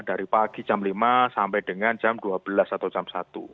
dari pagi jam lima sampai dengan jam dua belas atau jam satu